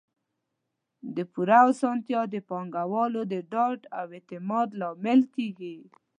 د پور اسانتیا د پانګوالو د ډاډ او اعتماد لامل کیږي.